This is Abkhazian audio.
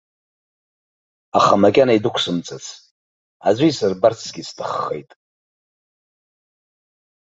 Аха макьана идәықәсымҵац, аӡәы исырбарцгьы сҭаххеит.